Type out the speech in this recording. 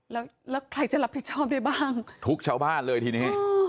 แล้วใครจะรับผิดชอบได้บ้างทุกชาวบ้านเลยทีนี้